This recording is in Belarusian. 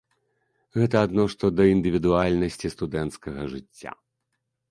Гэта адно што да індывідуальнасці студэнцкага жыцця.